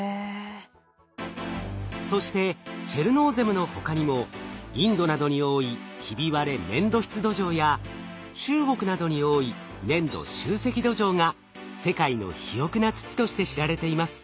そしてチェルノーゼムの他にもインドなどに多いひび割れ粘土質土壌や中国などに多い粘土集積土壌が世界の肥沃な土として知られています。